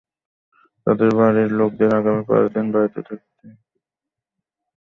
তাঁদের বাড়ির লোকদের আগামী পাঁচ দিন বাড়িতে থাকতে নিষেধ করা হয়েছে।